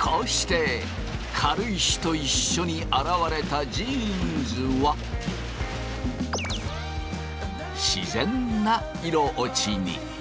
こうして軽石と一緒に洗われたジーンズは自然な色落ちに。